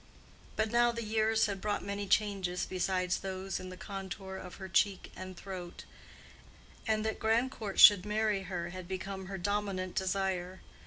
But now the years had brought many changes besides those in the contour of her cheek and throat; and that Grandcourt should marry her had become her dominant desire.